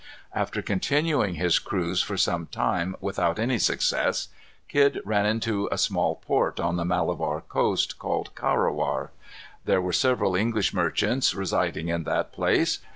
After continuing his cruise for some time without any success, Kidd ran into a small port, on the Malabar coast, called Carawar. There were several English merchants residing in that place.